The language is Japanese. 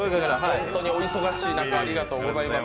本当にお忙しい中ありがとうございます。